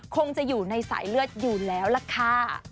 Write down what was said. คงจะอยู่ในสายเลือดอยู่แล้วล่ะค่ะ